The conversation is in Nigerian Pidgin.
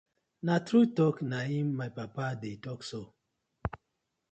Na true talk na im my father de talk so.